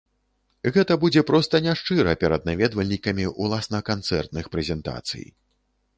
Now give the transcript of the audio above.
Гэта будзе проста няшчыра перад наведвальнікамі ўласна канцэртных прэзентацый.